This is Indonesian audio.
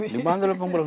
dipantu oleh pemulung